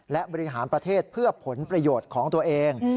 และบริหารประเทศเพื่อผลประโยชน์ของตัวเอง